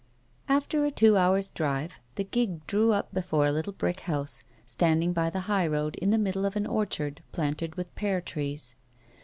After a two hours' drive the gig drew up before a little brick house, standing by the high road in the middle of an orchard planted with pear trees.